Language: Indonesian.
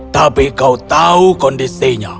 tapi kau tahu kondisinya